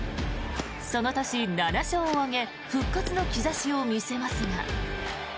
その年、７勝を挙げ復活の兆しを見せますが。